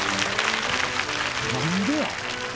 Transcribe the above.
何でや？